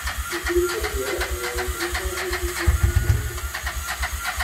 Les télescopes géants ont longtemps été conçus selon ses principes.